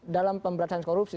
dalam pemberantasan korupsi